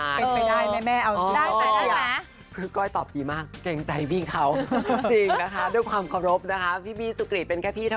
หรือใครรู้สึกว่านี่ไม่ใช่ทางเขาแล้วก็ให้ไปดูคันนั้นอีก